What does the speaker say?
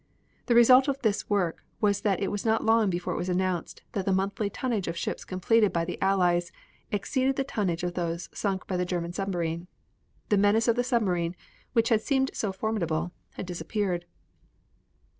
The result of his work was that it was not long before it was announced that the monthly tonnage of ships completed by the Allies exceeded the tonnage of those sunk by the German submarine. The menace of the submarine, which had seemed so formidable, had disappeared.